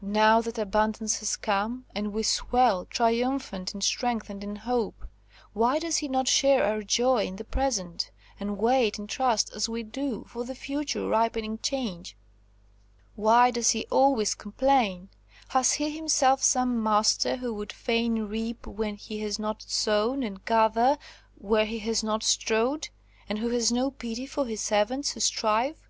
Now that abundance has come, and we swell, triumphant in strength and in hope, why does he not share our joy in the present, and wait, in trust, as we do, for the future ripening change? Why does he always complain? Has he himself some master, who would fain reap where he has not sown and gather where he has not strawed, and who has no pity for his servants who strive?"